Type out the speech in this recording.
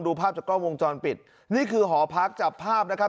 ภาพจากกล้องวงจรปิดนี่คือหอพักจับภาพนะครับ